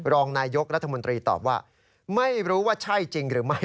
รองนายยกรัฐมนตรีตอบว่าไม่รู้ว่าใช่จริงหรือไม่